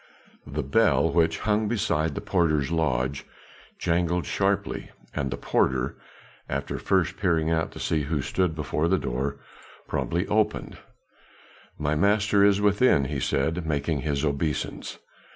The bell which hung beside the porter's lodge jangled sharply, and the porter, after first peering out to see who stood before the door, promptly opened. "My master is within," he said, making his obeisance.